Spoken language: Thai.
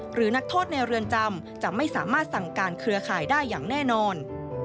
นักโทษในเรือนจำจะไม่สามารถสั่งการเครือข่ายได้อย่างแน่นอน